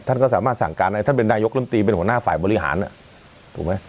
ท่านก็สามารถสั่งการให้ท่านเป็นนายกลำตีเป็นหัวหน้าฝ่ายบริหารถูกไหม